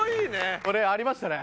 これありましたね。